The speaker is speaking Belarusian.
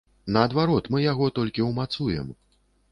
Наадварот, мы яго толькі ўмацуем.